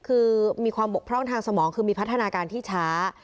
คือมีความบกพร่องทางสมองคือมีพัฒนาการที่ช้า